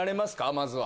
まずは。